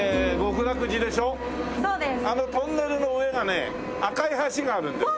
あのトンネルの上がね赤い橋があるんですよ。